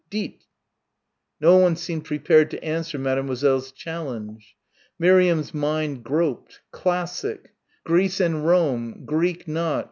Dîtes!" No one seemed prepared to answer Mademoiselle's challenge. Miriam's mind groped ... classic Greece and Rome Greek knot....